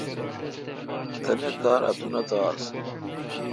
تانی کار اتونتھ آس۔